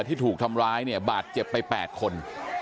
ที่ถูกทำร้ายเนี่ยบาดเจ็บไป๘คน